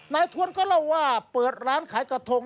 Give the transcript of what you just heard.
ทวนก็เล่าว่าเปิดร้านขายกระทง